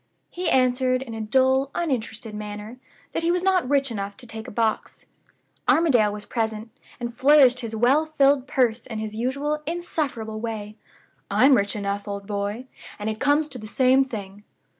He answered, in a dull, uninterested manner, that he was not rich enough to take a box. Armadale was present, and flourished his well filled purse in his usual insufferable way. 'I'm rich enough, old boy, and it comes to the same thing.